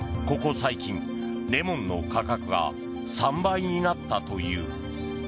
最近、レモンの価格が３倍になったという。